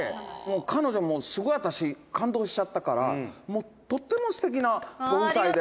「彼女、すごい私、感動しちゃったからとっても素敵なご夫妻で」